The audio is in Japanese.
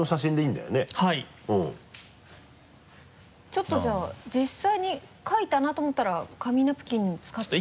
ちょっとじゃあ実際にかいたなと思ったら紙ナプキン使って。